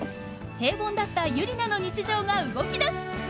平凡だったユリナの日常が動きだす！